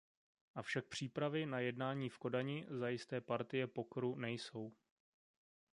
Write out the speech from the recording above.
Avšak přípravy na jednání v Kodani zajisté partie pokeru nejsou.